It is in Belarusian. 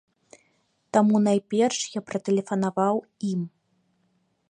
Таму найперш я патэлефанаваў ім.